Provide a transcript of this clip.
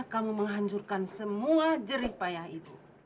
kamu menghancurkan semua jeripaya ibu